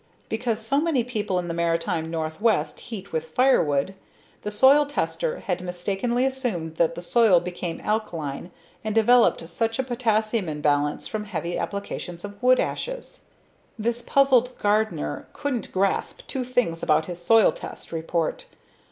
Because so many people in the Maritime northwest heat with firewood, the soil tester had mistakenly assumed that the soil became alkaline and developed such a potassium imbalance from heavy applications of wood ashes. This puzzled gardener couldn't grasp two things about his soil test report.